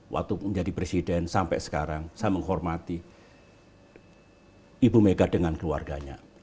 waktu menjadi presiden sampai sekarang saya menghormati ibu mega dengan keluarganya